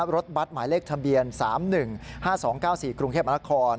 รถบัตรหมายเลขทะเบียน๓๑๕๒๙๔กรุงเทพมนาคม